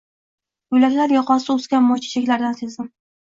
Yo’laklar yoqasida o’sgan moychechaklardan sezdim.